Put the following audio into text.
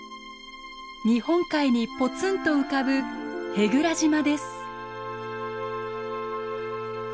日本海にぽつんと浮かぶ舳倉島です。